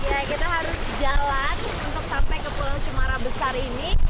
ya kita harus jalan untuk sampai ke pulau cemara besar ini